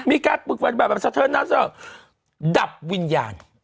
มีการฝึกปฏิบัติแบบสะเทินน้ำสะเดับวิญญาณ